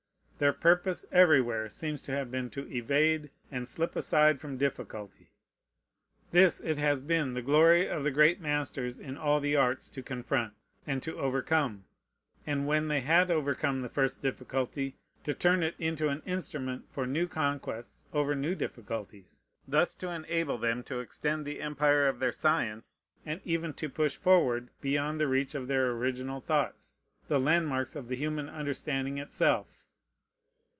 Their purpose everywhere seems to have been to evade and slip aside from difficulty. This it has been the glory of the great masters in all the arts to confront, and to overcome, and when they had overcome the first difficulty, to turn it into an instrument for new conquests over new difficulties: thus to enable them to extend the empire of their science, and even to push forward, beyond the reach of their original thoughts, the landmarks of the human understanding itself.